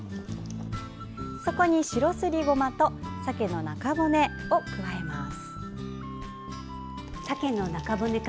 そこに白すりごまとさけの中骨を加えます。